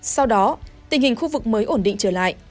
sau đó tình hình khu vực mới ổn định